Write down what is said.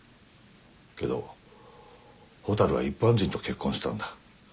けど蛍は一般人と結婚したんだ。